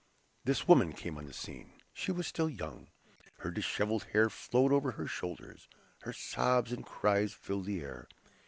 This woman came on the scene; she was still young. Her disheveled hair flowed over her shoulders. Her sobs and cries filled the air.